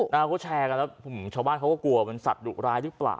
เขาก็แชร์กันแล้วชาวบ้านเขาก็กลัวเป็นสัตว์ดุร้ายหรือเปล่า